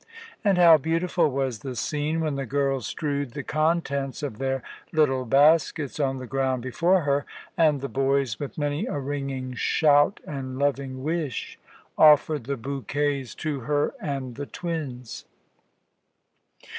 And how beautiful was the scene when the girls strewed the contents of their little baskets on the ground before her, and the boys, with many a ringing shout and loving wish, offered the bouquets to her and the twins!